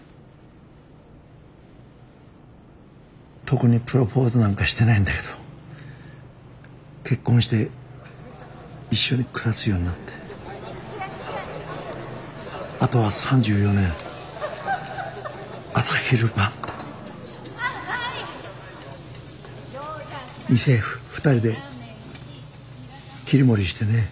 特にプロポーズなんかしてないんだけど結婚して一緒に暮らすようになってあとは３４年朝昼晩店２人で切り盛りしてね。